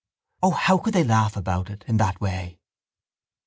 O how could they laugh about it that way?